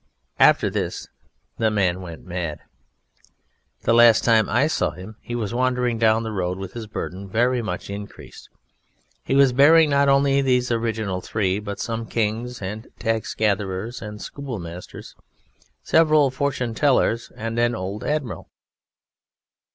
After this the man went mad. The last time I saw him he was wandering down the road with his burden very much increased. He was bearing not only these original three, but some Kings and Tax gatherers and Schoolmasters, several Fortune tellers, and an Old Admiral.